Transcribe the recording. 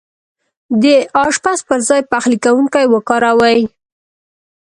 د اشپز پر ځاي پخلی کونکی وکاروئ